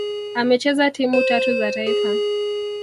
Amecheza timu tatu za taifa